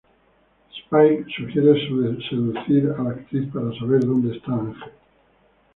Spike sugiere seducir a la actriz para saber dónde está Ángel.